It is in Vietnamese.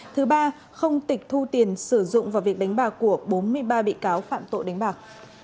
thứ ba không tịch thu tiền sử dụng vào việc đánh bạc của bốn mươi ba bị cáo phạm tội đánh bạc